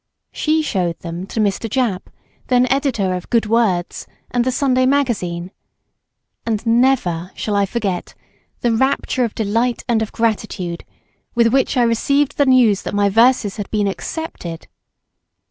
She showed them to Mr. Japp then editor of Good Words and the Sunday Magazine and never shall I forget the rapture of delight and of gratitude with which I received the news that my verses had been accepted.